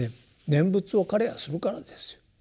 念仏を彼がするからですよ。